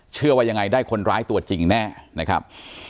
เชื่อว่ายังไงได้คนร้ายตัวจริงแน่นะครับ